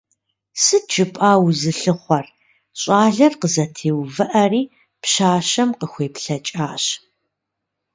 Сыт жыпӀа узылъыхъуэр? – щӀалэр къызэтеувыӀэри, пщащэм къыхуеплъэкӀащ.